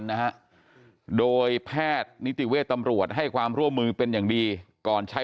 นะฮะโดยแพทย์นิติเวชตำรวจให้ความร่วมมือเป็นอย่างดีก่อนใช้